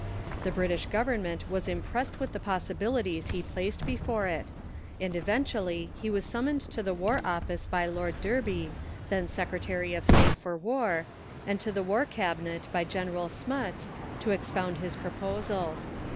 The British Government was impressed with the possibilities he placed before it, and eventually he was summoned to the War Office by Lord Derby, then Secretary of State for War, and to the War Cabinet by General Smuts, to expound his proposals.